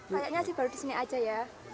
kayaknya sih baru disini aja ya